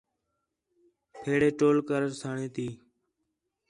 پھیڑے ٹول کرسݨ تی